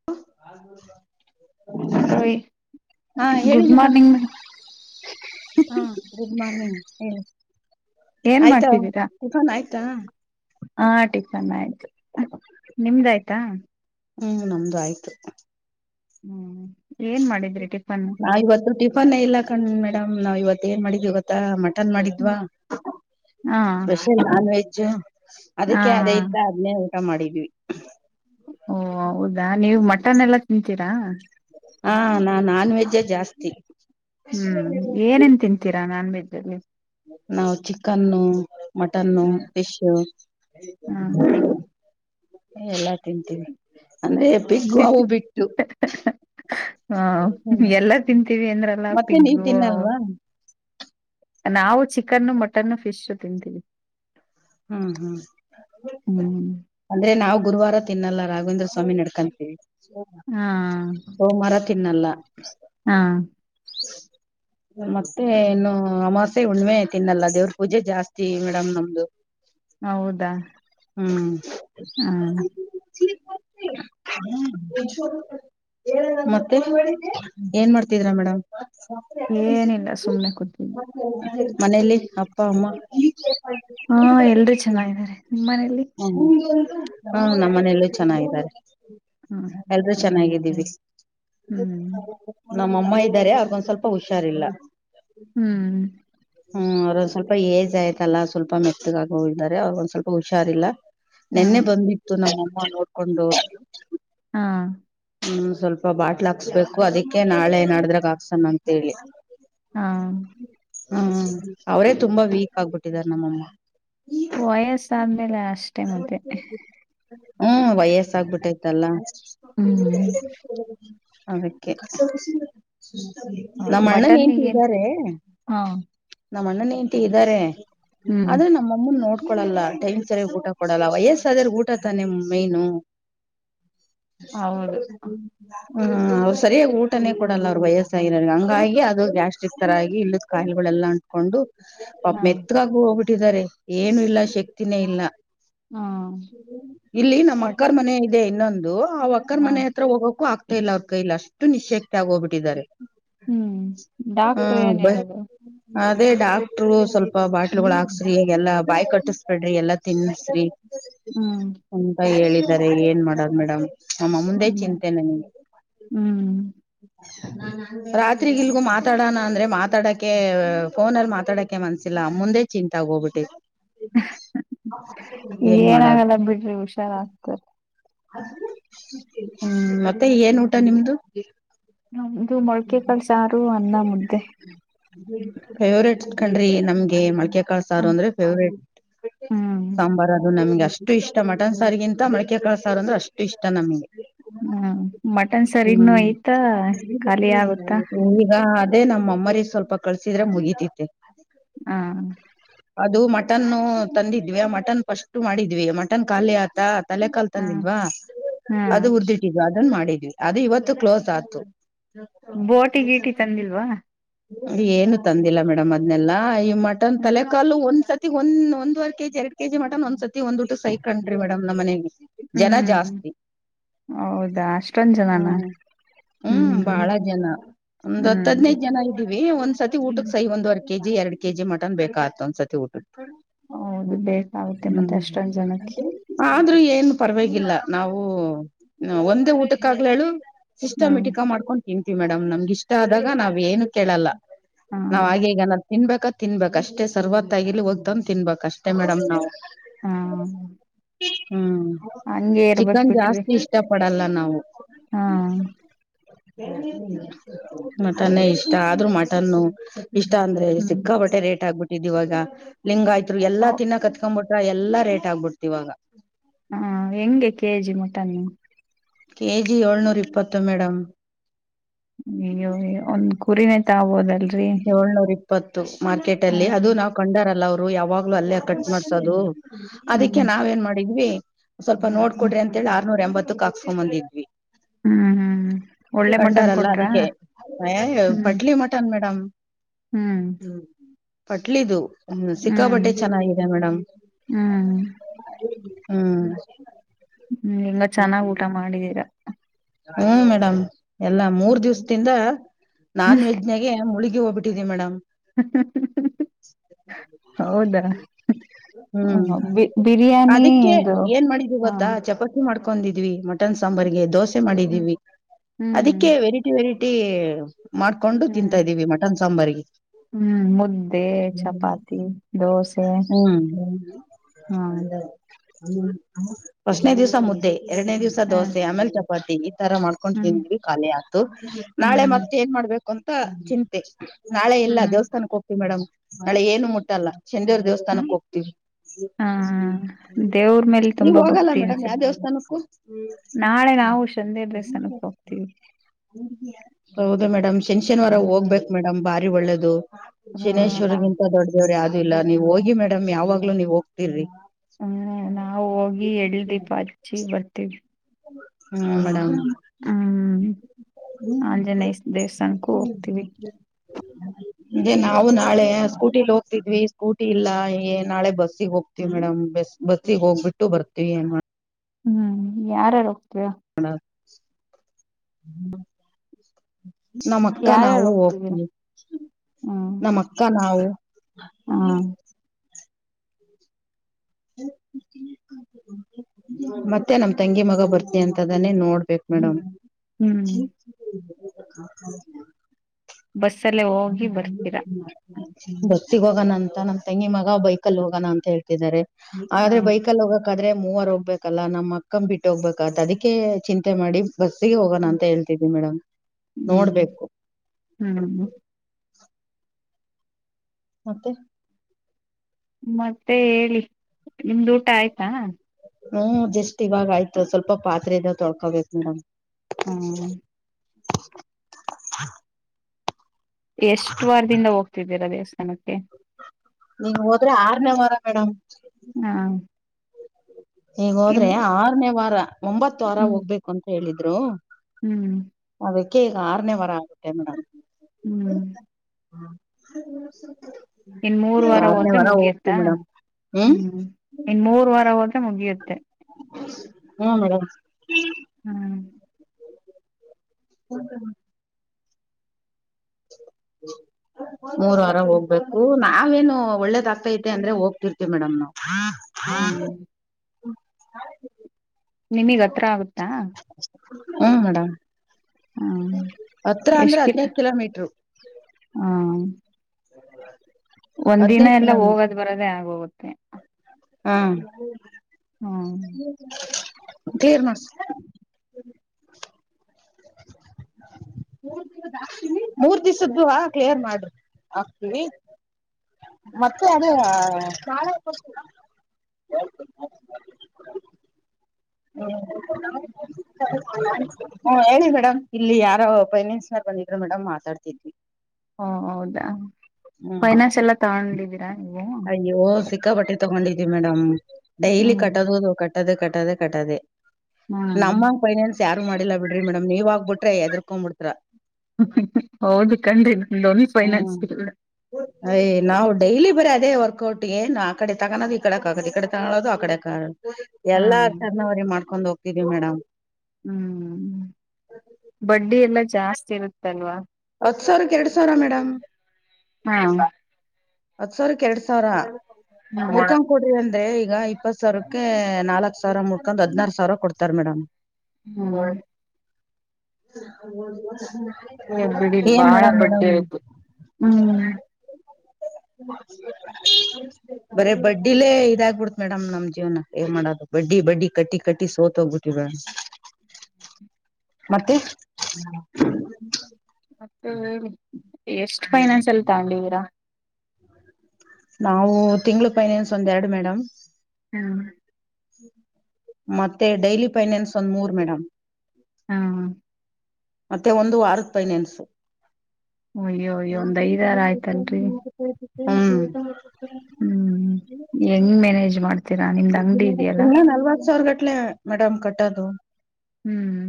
[unintelligible] ಹಲೋರಿ ಹಾ ಹೇಳಿ good madam morning. ಹಾ ಗುಡ್ ಮಾರ್ನಿಂಗ್ ಹೇಳಿ ಏನ್ ಆಯ್ತಾ ಟಿಫನ್ ಆಯ್ತಾ. ಆ ಟಿಫನ್ ಆಯ್ತು ನಿಮ್ದ್ ಆಯ್ತಾ. ಹೂ ನಮ್ದು ಆಯ್ತು. ಹ್ಮು ನಾವ್ ಇವತ್ತು ಟಿಫನ್ ಇಲ್ಲ ಕಣ್ ಮೇಡಮ್ ನಾವ್ ಇವತ್ತ್ ಏನ್ ಮಾಡಿದಿವಿ ಗೋ ತ್ತ ಮಟನ್ ಮಾಡಿದ್ವಾ ಹಾ ಸ್ಪೆಷಲ್ ನಾನ್ ವೆಜ್ಜ್. ಹಾ ಅದಕ್ಕೆ ಅದೇ ಇತ್ತಾ ಅದ್ನೇ ಊಟ ಮಾಡಿದ್ವಿ. ಓ ಹೌದಾ ನೀವು ಮಟನ್ ಎಲ್ಲಾ ತಿಂತೀರಾ. ಹಾ ನಾ ನಾನ್ ವೆಜ್ಜೆ ಜಾಸ್ತಿ. ಹ್ಮು ಏನೇನ್ ತಿಂತೀರಾ ನಾನ್ ವೆಜ್ಜ ಅಲ್ಲಿ. ನಾವು ಚಿಕ್ಕನ್ನು, ಮಟನ್ನು, ಹ ಫಿಶು ಹ ಎಲ್ಲಾ ತಿಂತೀವಿ ಅಂದ್ರೆ ಪಿಗ್ಗು ಅವು ಬಿಟ್ಟು. ಆ ಹ್ಮ್ ಎಲ್ಲಾ ತಿಂತೀವಿ ಅಂದ್ರಲ್ಲ ಮತ್ತೆ ನೀವ್ ಪಿುಗ್ಗು ಅವು. ತಿನ್ನಲ್ವಾ ನಾವು ಚಿಕ್ಕನ್ನು, ಮಟನ್ನು, ಫಿಶು ತಿಂತೀವಿ. ಹ್ಮು ಹ್ಮು. ಹ್ಮ್ ಅಂದ್ರೆ ನಾವು ಗುರುವಾರ ತಿನ್ನಲ್ಲ ರಾಘವೇಂದ್ರ ಸ್ವಾಮಿ ನಡ್ಕಂತೀವಿ ಸೋ ಹಾ ಸೋಮವಾರ ತಿನ್ನಲ್ಲ ಆ [inaudible] ಮತ್ತೆ ಇನ್ನು ಅಮಾಸ್ಯೆ, ಹುಣ್ಣಿಮೆ ತಿನ್ನಲ್ಲ ದೇವ್ರ ಪೂಜೆ ಜಾಸ್ತಿ ಮೇಡಮ್ ನಮ್ದು. ಹೌದಾ ಹ ಹ್ಮು [inaudible] ಮತ್ತೆ ಏನ್ ಮಾಡ್ತಿದಿರಾ ಮೇಡಮ್. ಏನಿಲ್ಲ ಸುಮ್ನೆ ಕೂತ್ತಿನಿ. ಮನೇಯಲಿ ಅಪ್ಪ, ಅಮ್ಮ ಹಾ ಎಲ್ರೂ ಚೆನ್ನಾಗಿದ್ದಾರೆ ನಿಮ್ಮ್ ಮನೇಯಲ್ಲಿ. ಹ್ಮು ಹಾ ನಮ್ಮ ಮನೆಯಲ್ಲೂ ಚೆನ್ನಾಗಿದ್ದಾರೆ ಹ್ಮ್ ಎಲ್ರೂ ಚೆನ್ನಾಗಿದ್ದೀವಿ. ಹ್ಮ್ ನಮ್ಮ ಅಮ್ಮ ಇದ್ದಾರೆ ಅವರಿಗೊಂದ್ ಸ್ವಲ್ಪ ಹುಷಾರಿಲ್ಲ. ಹ್ಮ್ ಹ್ಮು ಅವರೊಂದ್ ಸ್ವಲ್ ಲ್ಪ್ ಏಜ್ ಆಯ್ತಲ್ಲ ಸ್ವಲ್ಪ ಮೆತ್ತಗಾಗ ಹೋಗಿದ್ದಾರೆ ಅವ್ರಗೊಂದ್ ಸ್ವಲ್ಪ ಹುಷಾರಿಲ್ಲ. ಹಾ ನೆನ್ನೆ ಬಂದಿತ್ತು ನಮ್ಮ್ ಅಮ್ಮ ನೋಡ್ಕೊಂಡು. ಹಾ ಹ್ಮು ಸ್ವಲ್ಪ ಬಾಟ್ಲ್ ಹಾಕ್ಸ್ಬೇಕು ಅದಕ್ಕೆ ನಾಳೆ ನಾಡಿದ್ರಾಗ್ ಹಾಕ್ಸಣ ಅಂತೇಳಿ. ಹಾ ಹ್ಮ್ ಅವರೇ ತುಂಬಾ ವೀಕ್ ಆಗ್ಬಿಟ್ಟಿದ್ದಾರೆ ನಮ್ಮಮ್ಮ. ವಯಸ್ಸಾದ್ಮೇಲೆ ಅಷ್ಟೇ ಮತ್ತೆ. ಹ್ಮ್ ವಯಸ್ಸಾಗ್ಬಿಟ್ಟೈತಲ್ಲ. ಹ್ಮ್ ಅದಕ್ಕೆ. ಹ ನಮ್ಮ ಅಣ್ಣನೇಂಣ್ತಿ ಮಟನ್ಗೇನ್ ಇದಾರೆ. ಹಾ ನಮ್ಮ ಅಣ್ಣನೇಂಡತಿ ಇದ್ದಾರೆ ಹ್ಮ್ ಆದ್ರೆ ನಮ್ಮ ನಮ್ಮನ್ ನೋಡ್ಕೊಲ್ಲಾ ಟೈಮ್ ಸರಿಯ ಊಟ ಕೊಡಲ್ಲ ವಯಸ್ಸ ಆದ್ರಗೂಟ ತಾನೆ ಮೈನು. ಹೌದು [inaudible] ಹ್ಮ ಅವ್ರು ಸರಿಯಾಗಿ ಊಟನೇ ಕೊಡಲ್ಲ ಅವರು ವಯಸ್ಸಾಗಿರೋ ಹಂಗಾಗಿ ಅದು ಗ್ಯಾಸ್ಟ್ರಿಕ್ ತರ ಆಗಿ ಇಲ್ಲ ಕಾಯಿಲುಗಳೆಲ್ಲಾ ಅಂಟ್ಕೊಂಡು ಪಾಪ ಹಾ ಮೆತ್ಗಾಗ್ ಹೋಗ್ಬಿಟ್ಟಿದ್ದಾರೆ. ಏನು ಇಲ್ಲ ಶಕ್ತಿನೇ ಇಲ್ಲ ಹಾ ಇಲ್ಲಿ ನಮ್ಮ್ ಬಟ್ ಅಕ್ಕರ್ ಮನೆ ಇದೆ ಇನ್ನೊಂದು ದು ಅವಕ್ಕರ್ ಹ ಮನೆ ಹತ್ರ ಹೋಗಕು ಆಗ್ತಾ ಇಲ್ಲ ಅವ್ರ ಕೈಲಿ ಅಷ್ಟು ನಿಶ್ಯಕ್ತಿ ಆಗೋಗ್ಬಿಟ್ಟಿದ್ದಾರೆ. ಹ್ಮ್ ಹಾ ಡಾಕ್ಟ್ರ ಏನ್ ಬ ಹೇಳುದು ಅದೇ ಡಾಕ್ಟ್ರು ಸ್ವಲ್ಪ ಬಾಟ್ಲುಗಳು ಹಾಕ್ಸ್ರಿಗೆಲ್ಲಾ ಬಾಯಿ ಕಟ್ಟಿಸಬೇಡ್ರಿ ಎಲ್ಲಾ ತಿನ್ಸ್ರಿ. ಹ್ಮ್ ಅಂತ ಹೇಳಿದಿದ್ದಾರೆ ಏನ್ ಮಾಡದು ಮೇಡಮ್ ನಮ್ಮಂಮ್ಮುಂದೆ ಹ್ಮ್ ಚಿಂತೆ ನನಿಗೆ. ಹ್ಮ್ [inaudible] ರಾತ್ರಿಗ ಇಲ್ಗೂ ಮಾತಾಡೋಣ ಅಂದ್ರೆ ಮಾತಾಡಕ್ಕೇ ಫೋನ ಅಲ್ಲಿ ಮಾತಾಡಕ ಮನ್ಸಿಲ್ಲ ಅಮ್ಮುಂದೆ ಚಿಂತಾಗ ಹೋಗಬಿಟ್ಟ ಹ ಏನ್ ಮಾಡೋದು ಏನಾಗಲ್ಲ ಬಿಡ್ರಿ ಹುಷಾರಾಗ್ತರ. ಹ್ಮ್ ಮತ್ತೆ ಏನ್ ಊಟ ನಿಮ್ದು. ನಮ್ದು ಮೊಳಕೆ ಕಳ್ಸಾರು ಅನ್ನ ಮುದ್ದೆ. ಫೇವ್ರೇಟ್ಕಂಡ್ರಿ ನಮ್ಗೆ ಮೊಳಕೆ ಕಾಳ್ ಸಾರು ಹ್ಮ್ ಅಂದ್ರೆ ಫೇವ್ರೇಟ್ ಹ್ಮ್ ಸಾಂಬಾರ್ ಅದು ನಮ್ಗೆ ಅಷ್ಟ ಅಷ್ಟು ಇಷ್ಟ ಮಟನ್ ಸಾರಿಗಿಂತ ಮಳಿಕೆಕಳ ಸಾರು ಅಂದ್ರೆ ಅಷ್ಟು ಇಷ್ಟ ನಮಗೆ. ಹ್ಮ್ ಮಟನ್ ಸರಿನೂ ಹ್ಮ್ ಐತಾ ಖಾಲಿ ಆಗುತ್ತಾ ಈಗಾ ಅದೇ ನಮ್ಮಮ್ಮರಿಗಿ ಸ್ವಲ್ಪ ಕಳ್ಸಿದ್ರೆ ಮುಗಿತಿತೆ. ಹಾ ಅದು ಮಟನ್ನು ತಂದಿದ್ವಿ ಮಟನ್ ಫಸ್ಟ್ ಮಾಡಿದ್ವಿ ಮಟನ್ ಖಾಲಿ ಆತಾ. ತಲೆಕಾಲ್ ಹ ತಂದಿದ್ವಾ ಹಾ ಅದು ಹುರ್ದಿಟ್ಟಿದ್ವಿ ಅದನ್ ಮಾಡಿದ್ವಿ ಅದು ಇವತ್ತು ಕ್ಲೋಸ್ ಆತು. ಬೋಟಿ ಗೀಟಿ ತಂದಿಲ್ವಾ ಏನು ತಂದಿಲ್ಲ ಮೇಡಮ್ ಅದನೆಲ್ಲಾ ಇಮ್ಮ ಹ್ಮ್ ತಲೆ ಕಾಲು ಒಂದ್ಸ ಒಂದ್ ಒಂದ್ವರೆ ಕೆ ಜಿ ಎರಡ್ ಕೆಜಿ ಮಟನ್ ಒಂದ್ ಸತಿ ಒಂದ್ ಊಟಕ್ ಸಯ್ ಕಣ್ರಿ ಮೇಡಮ್ ನಮ್ಮನೆಗೆ. ಜನ ಹ್ಮ್ ಜಾಸ್ತಿ. ಹೌದಾ ಅಷ್ಟೊಂದ್ ಜನಾನ. ಹ್ಮ್ ಹ್ಮ್ ಬಾಳ ಜನ ಒಂದ್ ಹತ್ ಹ್ಮ್ ಹದ್ನೈದ ಜನ ಇದ್ದೀವಿ ಒಂದ್ಸತಿ ಹ್ಮ್ ಊಟಕ್ಕೆ ಸಯ್ ಒಂದ್ವರ ಕೆ ಜಿ ಎರಡ್ ಕೆ ಜಿ ಮಟನ್ ಬೇಕಾತ ಒಂದ್ಸತಿ ಊಟು ಹೌದು ಬೇಕಾಗುತ್ತೆ ಮತ್ತೆ ಅಷ್ಟೊಂದು ಜನಕ್ಕೆ. ಆದ್ರೂ ಏನ್ ಪರವಾಗಿಲ್ಲ ನಾವು ಒಂದೇ ಊಟಕ್ಕಾಗ್ಲೇಳು ಹ್ಮ್ ಸಿಸ್ಟಮೆಟಿಕಾಗ್ ಮಾಡ್ಕೊಂಡು ತಿಂತೀವಿ ಮೇಡಮ್ ನಮ್ಗ ಇಷ್ಟ ಆದಾಗ ನಾವ್ ಏನು ಕೇಳಲ್ಲ. ಹ್ಮ್ ನಾವ್ ಆಗ ಈಗ ನ ತಿನ್ಬೇಕ ತಿನ್ಬೇಕಕ್ ಅಷ್ಟೇ ಸರ್ವಾತ್ತಾಗಿರ್ಲಿ ಹೋಗ್ತನ್ ತಿನ್ಬೇಕ್ ಅಷ್ಟೇ ಮೇಡಮ್ ನಾವ್ ಹಾ ಹ್ಮ್ ಚಿಕನ್ ಬಿಟ್ರಿ ಜಾಸ್ತಿ ಇಷ್ಟ ಪಡಲ್ಲ ನಾವು ಹಾ [unintelligible] ಮಟನ್ನೇ ಇಷ್ಟ ಆದ್ರೂ ಮಟನ್ನು ಇಷ್ಟ ಅಂದ್ರೆ ಹ್ಮ್ ಸಿಕ್ಕಾ ಪಟ್ಟೆ ರೇಟ್ ಆಗ್ಬಿಟ್ಟಿದ್ ಇವಾಗ ಲಿಂಗಾಯ್ತ್ರು ಹ ಎಲ್ಲಾ ತಿನ್ನಕತ್ತ ಹಾಕೊಂಬ ಬಿಟ್ರೆ ಎಲ್ಲ ರೇಟ್ ಆಗ್ಬಿಡ್ತಿ ಇವಾಗ ಹಾ ಹೆಂಗೆ ಕೆಜಿ ಮಟನ್ನು ಕೆ ಜಿ ಏಳ್ನೂರ ಇಪ್ಪತ್ತು ಮೇಡಮ್ ಅಯ್ಯೋ ಒಂದ್ ಕುರಿನ ತಗೋಬೋದಲ್ರಿ ಏಳ್ನೂರ ಇಪ್ಪತ್ತು ಮಾರ್ಕೆಟ್ ಅಲ್ಲಿ ಅದು ಹ್ಮ್ ನಾವ್ ಕಂಡಾರಲ್ಲ ಅವ್ರು ಯಾವಾಗ್ಲೂ ಅಲ್ಲೇ ಕಟ್ ಮಾಡ್ಸೋದು ಅದಿಕ್ಕೆ ಹ್ಮ್ ನಾವ ಏನ್ ಮಾಡಿದ್ವಿ ಸ್ವಲ್ಪ ಹ್ಮ್ ನೋಡ್ಕಡ್ರಿ ಅಂತೇಳಿ ಆರ್ನೂರ್ ಎಂಬತ್ತಕ ಹಾಕ್ಸ್ಕೊ ಬಂದಿದ್ವಿ ಹ್ಮ್ [inaudible] ಒಳ್ಳೆ ಮಟನ್ ಕಂಡಾರಲ್ಲ ಕೊಟ್ರಾ ಅದಕ್ಕೆ ಅಯ್ಯಯ್ಯೋ ಹ್ಮ್ ಪಟ್ಲಿ ಮಟ್ಟ ಮೇಡಂ ಹ್ಮ್ [inaudible] ಹ್ಮ ಪಟ್ಲಿದು ಹ್ಮ್ ಸಿಕ್ಕಾಪಟ್ಟೆ ಚೆನ್ನಾಗಿದೆ ಮೇಡಮ್ ಹ್ಮ್ [inaudible] ಹ್ಮ್ ಹ್ಮ್ ಇನ್ನ ಚೆನ್ನಾಗ್ ಊಟ ಮಾಡಿದೀರಾ ಹ್ಮ್ ಮೇಡಮ್ ಎಲ್ಲ ಮೂರ್ ಹ್ಮ್ ದಿವ್ಸದಿಂದ [inaudible] ನಾನ್ ವೆಜ್ ಜೊತೆಗೆ ಮುಳಗಿ ಹೋಗ್ಬಟ್ಟಿದೆ ಮೇಡಮ್ [unintelligible] ಹೌದಾ ಹ್ಮ್ ಹ ಬಿ [inaudible] ಬಿರಿಯಾನಿ ಅದಕ್ಕೆ ಇದು ಏನ್ ಮಾಡಿದ ಹಾ ಗೊತ್ತಾ ಚಪಾತಿ ಮಾಡ್ಕೊಂಡಿದ್ವಿ ಮಟನ್ ಸಾಂಬಾರ್ಗೆ ದೋಸೆ ಹ್ಮ್ ಮಾಡಿದೀವಿ [inaudible] ಹ್ಮ್ ಅದಕ್ಕೆ ವೆರಿ ವೆರೈಟಿ ಮಾಡ್ಕೊಂಡು ಹ್ಮ್ ತಿಂತಾ ಇದೀವಿ ಮಟನ್ ಸಾಂಬಾರ್ಗೆ. ಹ್ಮ್ ಮುದ್ದೆ ಚಪಾತಿ ದೋಸೆ [inaudible] ಹ್ಮ ಹ್ಮ ಪಸ್ನೇ ದಿವ್ಸ ಮುದ್ದೆ ಎರಡನೇ ದಿವ್ಸ ಹ್ಮ್ ದೋಸೆ ಆಮೇಲೆ ಚಪಾತಿ ಈ ತರ ಮಾಡ್ ಹ್ಮ್ ತಿಂದವಿ ಖಾಲಿ ಆತು ನಾಳೆ ಹ್ಮ್ ಮತ್ತೆ ಏನ್ ಮಾಡ್ಬೇಕು ಅಂತ ಚಿಂತೆ ನಾಳೆ ಇಲ್ಲ ಹ್ಮ್ ದೇವಸ್ಥಾನಕ್ಕೆ ಹೋಗ್ತಿ ಮೇಡಮ್ ನಾಳೆ ಏನು ಮುಟ್ಟಲ್ಲ ಶನಿದೇವರ ದೇವಸ್ಥಾನ ಹ್ಮ್ ದೇವಸ್ಥಾನಕ್ಕೆ ಹೋಗ್ತವಿ [inaudible] ಹಾ ದೇವ್ರ ಮೇಲೆ ನೀವ ತುಂಬಾ ಹೋಗಲ್ಲ ಭಕ್ತಿ ಮೇಡಮ್ ಯಾವ ಅನ್ಸುತ್ತೆ ದೇವಸ್ಥಾನಕ್ಕೂ. ನಾಳೆ ನಾವು ಶಂದೆ ದೇವಸ್ಥಾನಕ್ಕೆ ಹೋಗ್ತೀವಿ. [inaudible] ಹೌದು ಮೇಡಮ್ ಶನಿ ಶನಿವಾರ ಹ್ಮ್ ಹೋಗ್ಬೇಕು ಮೇಡಮ್ ಬಾರಿ ಒಳ್ಳೇದು [inaudible] ಹ್ಮ ನಾ ಶನೇಶ್ವರಗಿಂತ ದೊಡ್ಡ ದೇವ್ರೆ ಅದು ಇಲ್ಲ ನೀವು ಹೋಗಿ ಮೇಡಮ್ ಯಾವಾಗ್ಲೂ ನೀವ ಹೋಗ್ತಿರಿ ಹ್ಮ್ ನಾವು ಹೋಗಿ ಎಳ್ಳ ದೀಪ ಹಚ್ಚಿ ಬರ್ತೀವಿ ಹ್ಮ ಮೇಡಮ್ ಹ್ಮ್ ಹ್ಮ್ ಆಂಜನೇಯ [unintelligible] ದೇವಸ್ಥಾನಕ್ಕೂ ಹೋಗ್ತೀವಿ ಹ್ಮ ಎ ನಾವು ನಾಳೆ ಸ್ಕೂಟಿಲಿ ಹೋಗ್ತಿದ್ವಿ ಸ್ಕೂಟಿ ಇಲ್ಲಏ ನಾಳೆ ಬಸ್ಸಗ್ ಹೋಗ್ತವಿ ಮೇಡಂ ಬಸ್ ಬಸ್ಗೆ ಹೋಗ್ಬಿಟ್ಟು ಬರ್ತೀವಿ ಹ್ಮ್ ಯಾರ ಯಾರ ಹೋಗ್ತೀರಾ [unintelligible] ನಮ್ಮ ಅಕ್ಕ ಯಾರ್ಯಾರು ನಾವು ಹೋಗ್ತಿದೀರಾ ಹೋಗ್ತವಿ [inaudible] ಹ್ಮ್ ನಮ್ಮಕ್ಕ ನಮ್ಮಕ್ಕ ನಾವು ಹಾ [unintelligible] [unintelligible] ಮತ್ತೆ ನಮ್ಮ ತಂಗಿ ಮಗ ಬರ್ತ ಅಂತದಾನೆ ನೋಡ್ಬೇಕು ಮೇಡಮ್ ಹ್ಮ್ [unintelligible] ಬಸ್ಸಲ್ಲೇ ಹೋಗಿ ಬರ್ತೀರಾ. ಬಸ್ಸಿಗೆ ಹೋಗೋಣ ಅಂತ ನಮ್ಮ ತಂಗಿ ಮಗ ಬೈಕಲ್ಲಿ ಹೋಗೋಣ ಅಂತ ಹೇಳ್ತಿದಿದ್ದಾರೆ ಹಾ ಹಾಗಾದರೆ ಬೈಕಲ್ಲಿ ಹೋಗ ಆದ್ರೆ ಮೂವರ್ ಹೋಗ್ಬೇಕಲ್ಲಾ ನಮ್ಮ್ ಅಕ್ಕಮ ಬಿಟ್ಟು ಹೋಗ್ಬೇಕತ್ ಅದಕ್ಕೆ ಚಿಂತೆ ಮಾಡಿ ಬಸ್ಸಿಗೆ ಹೋಗೋಣ ಅಂತ ಹೇಳ್ತಿದ್ವಿ ಮೇಡಮ್ ಹ್ಮ್ ನೋಡ್ಬೇಕು ಹ್ಮ್ ಮತ್ತೆ ಮತ್ತೆ ಹೇಳಿ ನಿಮ್ದು ಊಟ ಆಯ್ತಾ ಹ್ಮ್ ಜಸ್ಟ್ ಇವಾಗ ಆಯ್ತು ಸ್ವಲ್ಪ ಪಾತ್ರೆದ ತೊಳ್ಕೋಬೇಕು ಮಡಮ್ ಹ್ಮ ಎಷ್ಟು ವಾರದಿಂದ ಹೋಗ್ತಿದ್ದೀರಾ ದೇವಸ್ಥಾನಕ್ಕೆ ನೀ ಹೋದ್ರೆ ಆರನೇ ವಾರ ಮೇಡಮ್ ಹಾ ಈಗ ಇನ್ ಹೋದ್ರೆ ಆರನೇ ವಾರ ಒಂಬತ್ತು ವಾರ ಹ್ಮ್ ಹೋಗ್ಬೇಕು ಅಂತ ಹೇಳಿದ್ರು ಹ್ಮ್ ಅದಕ್ಕೆ ಈಗ ಆರನೇ ವಾರ ಆಗುತ್ತೆ ಮೇಡಮ್ ಹ್ಮ್ ಇನ್ ಮೂರ್ ಹಾ ಆರನೇ ಹೋದ್ರೆ ವಾರ ಮುಗಿಯುತ್ತಾ ಹೋಗ್ತಿವಿ ಮೇಡಮ್ ಹ್ಮ್ ಇನ್ ಮೂರ್ ವಾರ ಹೋದ್ರೆ ಮುಗಿಯುತ್ತೆ ಹಾ ಮೇಡಮ್ ಹ್ಮ್ ಹೌ ಹ್ಮ ಮೂರ್ ವಾರ ಹೋಗ್ಬೇಕು ನಾವೇನು ಒಳ್ಳೇದ ಆಗ್ತಾತೆ ಅಂದ್ರೆ ಹೋಗ್ತಿರ್ತಿವಿ ಮೇಡಮ್ ನ ಹ್ಮ್ ನಿಮಗ್ ಹತ್ರ ಆಗುತ್ತಾ ಹ್ಮ ಮೇಡ್ ಹ್ಮ್ ಹತ್ರ ಅಂದ್ರೆ ಹದ್ ನೈದು ಕಿಲೋಮೀಟ್ರು ಹಾ ಹ ಒಂದಿನ ಎಲ್ಲ ಹೋಗೋದ್ ಬರದೇ ಆಗೋಗುತ್ತೆ ಹ್ಮ ಹ್ಮ [unintelligible] ಹ ಮೂರ್ ದಿಸದ್ದು ಕ್ಲಿಯರ್ ಮಾಡಿ ಆಕ್ತವಿ ಮತ್ತೆ ಅದೆ [unintelligible] ಹ [inaudible] [unintelligible] ಹ ಹೇಳಿ ಮೇಡಮ್ ಇಲ್ಲಿ ಯಾರ ಫೈನೆನ್ಸ್ ಬಂದಿದರು ಮೇಡಮ್ ಮಾತಾಡ್ [unintelligible] ಓ ಹೌದಾ ಹ್ಮ್ ಫೈನಾನ್ಸ್ ಎಲ್ಲ ತಗೊಂಡಿದ್ದೀರಾ ನೀವು ಓ ಸಿಕ್ಕಾಪಟ್ಟೆ ತಗೊಂಡಿದ್ವಿ ಮೇಡಮ್ ಡೈಲಿ ಹ್ಮ್ ಕಟ್ಟೋದ ಹದು ಕಟ್ಟದೆೇ ಕಟ್ಟದೆೇ ಕಟ್ಟದೆೇ ಹ್ಮ್ ನಮ್ಮಂಗ ಫೈನಾನ್ಸ್ ಯಾರು ಮಾಡಿಲ್ಲಾ ಬಿಡ್ರಿ ಮೇಡಮ್ ನೀವ್ ಆಗ್ಬಿಟ್ರೆ ಎದರ್ಕೊಡಬಿಡ್ತಿರ [unintelligible] ಹೌದ ಕನಡ್ರಿ ಲೋನ್ ಫೈನಾನ್ಸ್ ಯ್ ನಾವು ಡೈಲಿ ಬರೀ ಅದೇ ವರ್ಕ್ಔಟ ಏನ್ ಆ ಕಡೆ ತಗೋದು ಈ ಕಡೆ ಆಗೋದು ಈ ಕಡೆ ತಗೋದು ಆ ಕಡೆ ಹಾ ಎಲ್ಲ ಅ ಟರ್ಣವರ್ ಮಾಡ್ಕೊಂಡ್ ಹೋಗ್ತವಿ ಮೇಡಮ್ ಹ್ಮ್ [unintelligible] ಬಡ್ಡಿ ಎಲ್ಲಾ ಜಾಸ್ತಿ ಇರುತ್ತಲ್ವಾ ಹತ್ತ ಸಾವಿರಕ್ಕೆ ಎರಡ್ ಸಾವಿರ ಮೇಡಮ್. ಹಾ ಹತ್ತ ಸಾವಿರಕ್ಕೆ ಎರಡ್ ಸಾವಿರ ಮುರ್ಕ ಕೊಡ್ರಿ ಅಂದೆ ಈಗ ಇಪ್ಪತ ಸಾವಿರಕ್ಕೆ ನಾಲ್ಕಕ ಸಾವಿರಾ ಮುರಡ್ಕೊಂಡ ಹದ್ನಾರು ಸಾವಿರ ಕೊಡ್ತಾರೆ ಮೇಡಮ. ಹು ನಾವು ಹೊದ್ವಾ ನಾಳೆ. ಎ ಬಿಡಿ ಬಾಳ ಬಡ್ಡಿ ಆಯ್ತು ಹು ಒನ್ಸ್ ಲೇಪ ಕೀ ಬರೇ ಬಡ್ಡಿಲೇ ಇದಾಗ್ಬಿಡತ ಮೇಡಮ ನಮ್ಮ ಜೀವನಾ ಏನ ಮಾಡೋದು ಬಡ್ಡಿ ಬಡ್ಡಿ ಕಟ್ಟಿ ಕಟ್ಟಿ ಸೋತ ಹೋಗ್ಬಿ ಟುಡೇನ್ಸ್. ಮತ್ತೆ ಮತ್ತೆ ಹೇಳಿ ಎಷ್ಟ ಫೈನಾನ್ಸ್ ಲ್ಲ ತಗೊಂಡಿದ್ದೀರಾ. ನಾವು ತಿಂಗಳ ಪೈನಾನ್ಸ್ ಒಂದ ಎರಡು ಮೇಡಮ. ಹು. ಮತ್ತೆ ಡೈಲಿ ಫೈನಾನ್ಸ್ ಒಂದ ಮೂರ ಮೇಡಮ. ಹಾ ಹಾ ಮತ್ತೆ ಒಂದು ವಾರದ ಪೈನಾನ್ಸು. ಅಯ್ಯೋ ಅಯ್ಯೋ ಒಂದಐದಾರ ಆಯ್ತತ್ತಾಲ್ಡ್ರಿ. ಹು ಹು ಹೆಂಗ ಮ್ಯಾನೇಜ ಮಾಡ್ತೀರಾ ನಿಮ್ದ ಅಂಗಡಿ ಇದೆಯಲ್ಲ. ಮೇಡಮ ಕಟ್ಟೋದು. ಹು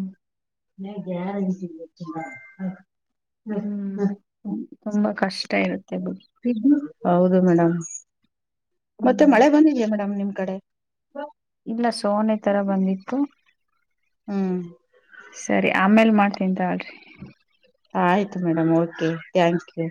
ಮೇಲೆ ಬ್ಯಾರಲ್ ತುಂಬೆತಿನ ನೋಡ ಹೋಗು. ಹು ತುಂಬಾ ಕಷ್ಟ ಇರುತ್ತೆ ಬಿಡು. ಪಿಗ್ಮ ಹೌದು ಮೇಡಮ್ ಮತ್ತೆ ಹ್ಮ್ ಮಳೆ ಬಂದಿಯಾ ಮೇಡಮ್ ನಿಮ್ಮ ಕಡೆ. ಇಲ್ಲಾ ಸೋನೆ ತರಾ ಬಂದಿತ್ತು. ಹು ಸರಿ ಆಮೇಲ ಮಾಡ್ತಂತಿನಿತಗೋಳ್ರಿ. ಆಯ್ತು ಮೇಡಮ ಓಕೆ ಥ್ಯಾಂಕ ಯು.